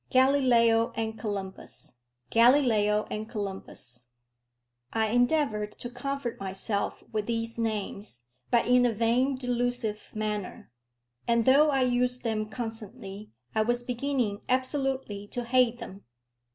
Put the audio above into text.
Galileo and Columbus, Galileo and Columbus! I endeavoured to comfort myself with these names, but in a vain, delusive manner; and though I used them constantly, I was beginning absolutely to hate them.